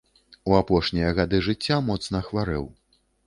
У апошнія гады жыцця моцна хварэў.